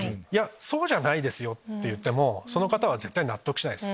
そうじゃないですよって言ってもその方は絶対納得しないです。